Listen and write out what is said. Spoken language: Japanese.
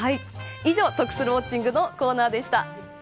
以上、得するウォッチング！のコーナーでした。